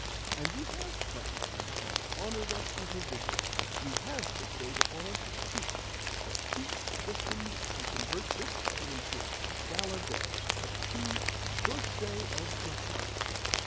And you HAVE come, you HAVE honoured us with a visit, you HAVE bestowed upon us a treat a treat destined to convert this day into a gala day, a true birthday of the heart."